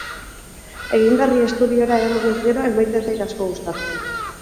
Egin berri estudiora eramanez gero, emaitza ez zait asko gustatzen.